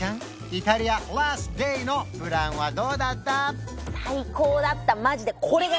イタリアラストＤＡＹのプランはどうだった？